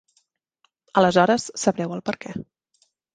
Aleshores sabreu el perquè.